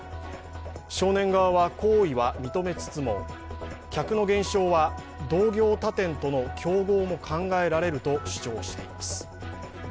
少年側は、行為は認めつつも客の減少は同業他店との競合も考えられると主張しています。